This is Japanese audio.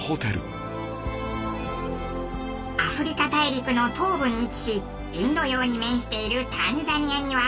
アフリカ大陸の東部に位置しインド洋に面しているタンザニアには。